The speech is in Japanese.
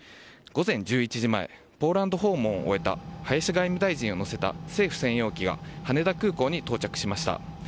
午前１１時前、ポーランド訪問を終えた林外務大臣を乗せた政府専用機が羽田空港に到着しました。